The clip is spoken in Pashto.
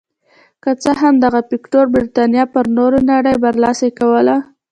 که څه هم دغه فکټور برېتانیا پر نورې نړۍ برلاسې کوله.